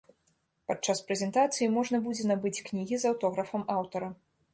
Падчас прэзентацыі можна будзе набыць кнігі з аўтографам аўтара.